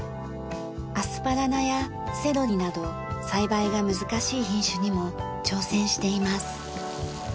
アスパラ菜やセロリなど栽培が難しい品種にも挑戦しています。